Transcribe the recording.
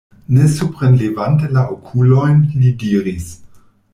Ne suprenlevante la okulojn, li diris: